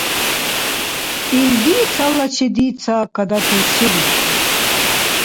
Илди цала чеди ца кадатес чебиркур…